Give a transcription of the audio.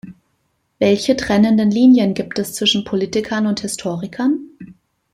Welche trennenden Linien gibt es zwischen Politikern und Historikern?